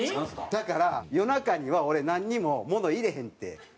だから夜中には俺何ももの入れへんって。